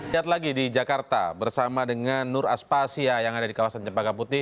lihat lagi di jakarta bersama dengan nur aspasya yang ada di kawasan cempaka putih